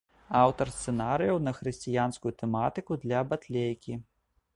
Аўтар сцэнарыяў на хрысціянскую тэматыку для батлейкі.